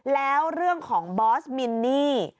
แล้วเรื่องของบอสมินนี่